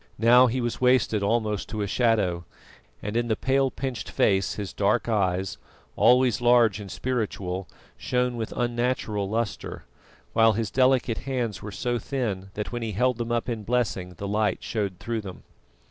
Now he was wasted almost to a shadow, and in the pale pinched face his dark eyes, always large and spiritual, shone with unnatural lustre, while his delicate hands were so thin that when he held them up in blessing the light showed through them.